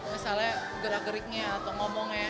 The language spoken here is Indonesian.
misalnya gerak geriknya atau ngomongnya